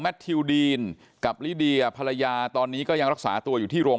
ทิวดีนกับลิเดียภรรยาตอนนี้ก็ยังรักษาตัวอยู่ที่โรง